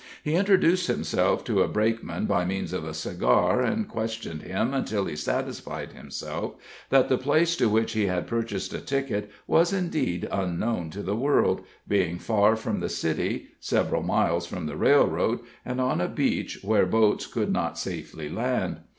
He introduced himself to a brakeman by means of a cigar, and questioned him until he satisfied himself that the place to which he had purchased a ticket was indeed unknown to the world, being far from the city, several miles from the railroad, and on a beach where boats could not safely land.